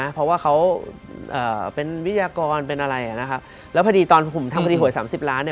เพราะว่าเขาเป็นวิทยากรเป็นอะไรนะครับแล้วพอดีตอนผมทำคดีหวย๓๐ล้าน